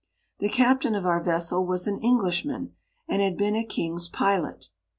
The captain of our vessel was an Englishman, and had been a king's pilot.